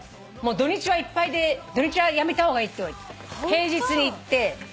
土日はいっぱいで土日はやめた方がいいって言われて平日に行ってＭｅｒｃｉ。